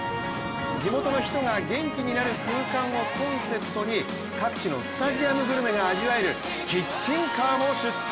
地元の人が元気になる空間をコンセプトに各地のスタジアムグルメが味わえるキッチンカーも出店。